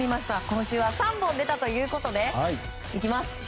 今週は３本出たということでいきます！